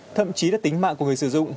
thậm chí đất tính mạng của người sử dụng